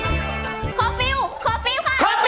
อย่ายอมแก้ม